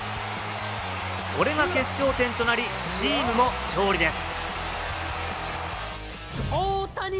これが決勝点となり、チームも勝利です。